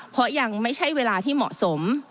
เพราะยังไม่ใช่เวลาที่เหมาะสม